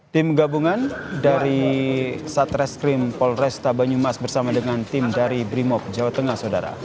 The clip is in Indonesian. tim gabungan dari satreskrim polresta banyumas bersama dengan tim dari brimob jawa tengah saudara